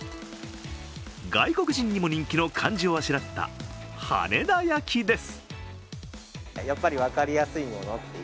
外国人にも人気の漢字をあしらった羽田焼きです。